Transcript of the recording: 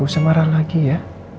gak usah marah lagi ya